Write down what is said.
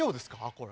これ。